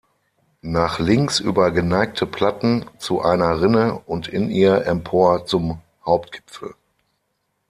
Nach links über geneigte Platten zu einer Rinne und in ihr empor zum Hauptgipfel.